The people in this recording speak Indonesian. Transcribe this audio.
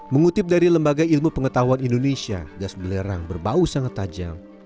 mengutip dari lembaga ilmu pengetahuan indonesia gas belerang berbau sangat tajam